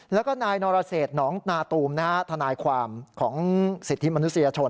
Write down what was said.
แล้วก็นายนรเศษหนองนาตูมทนายความของสิทธิมนุษยชน